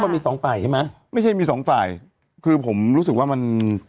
มีสองฝ่ายใช่ไหมไม่ใช่มีสองฝ่ายคือผมรู้สึกว่ามัน